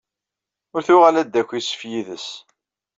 Ur tuɣal ad d-taki sef yiḍes.